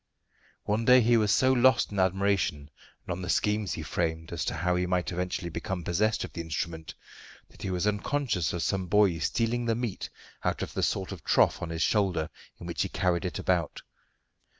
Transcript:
One day he was so lost in admiration and on the schemes he framed as to how he might eventually become possessed of the instrument, that he was unconscious of some boys stealing the meat out of the sort of trough on his shoulder in which he carried it about.